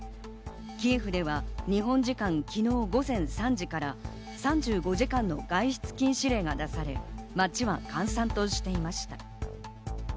キエフでは日本時間昨日午前３時から３５時間の外出禁止令が出され、街は閑散としていました。